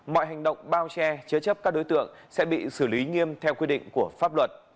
mọi hành động bao che chứa chấp các đối tượng sẽ bị xử lý nghiêm theo quy định của pháp luật